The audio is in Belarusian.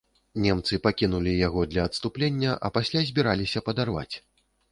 Немцы пакінулі яго для адступлення, а пасля збіраліся падарваць.